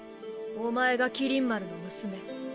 おまえが麒麟丸の娘。